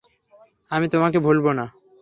আমি তোমাকে ভুলবো না!